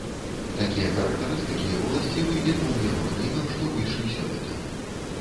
Такія характарыстыкі ўласцівы і двум яго кнігам, што выйшлі сёлета.